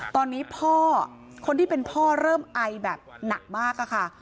ตอนนี้พ่อคนที่เป็นพ่อเริ่มไอแบบหนักมากอะค่ะ